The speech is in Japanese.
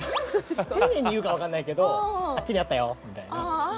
丁寧に言うかはわかんないけど「あっちにあったよ」みたいな。ああー！